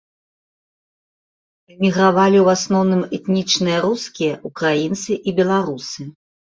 Эмігравалі ў асноўным этнічныя рускія, украінцы і беларусы.